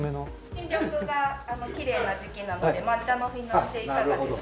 新緑がきれいな時期なので抹茶のフィナンシェいかがですか。